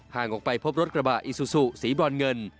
ออกไปพบรถกระบะอิซูซูสีบรอนเงิน